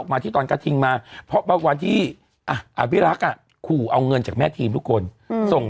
ไม่โดนเคยเดินยัง